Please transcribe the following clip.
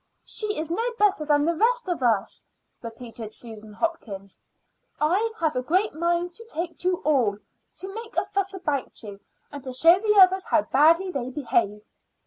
"She is no better than the rest of us," repeated Susan Hopkins. "I have a great mind to take to you all, to make a fuss about you, and to show the others how badly they behave."